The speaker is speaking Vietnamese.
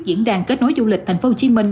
diễn đàn kết nối du lịch thành phố hồ chí minh